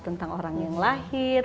tentang orang yang lahir